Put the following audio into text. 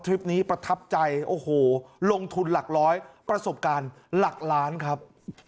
คลิปนี้ประทับใจโอ้โหลงทุนหลักร้อยประสบการณ์หลักล้านครับ